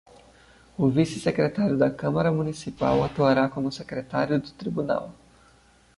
O vice-secretário da Câmara Municipal atuará como secretário do Tribunal.